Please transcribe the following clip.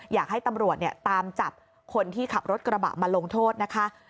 อยากให้ตำรวจตามจับคนที่ขับรถกระบะมาลงโทษนะคะ